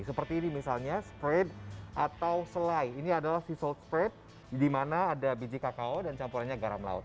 seperti ini misalnya spread atau selai ini adalah sisal spread di mana ada biji kakao dan campurannya garam laut